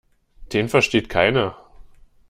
Den versteht keiner.